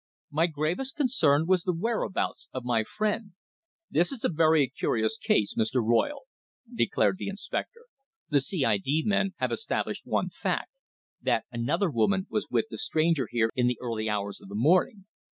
My gravest concern was the whereabouts of my friend. "This is a very curious case, Mr. Royle," declared the inspector. "The C.I.D. men have established one fact that another woman was with the stranger here in the early hours of this morning.